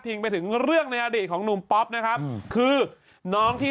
ไปถึงเรื่องในอดีตของหนุ่มป๊อปนะครับคือน้องที่